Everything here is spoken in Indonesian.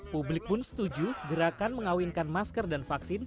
publik pun setuju gerakan mengawinkan masker dan vaksin